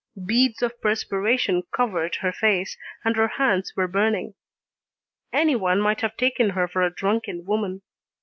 Beads of perspiration covered her face, and her hands were burning. Anyone might have taken her for a drunken woman.